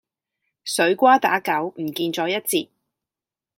水瓜打狗唔見咗一截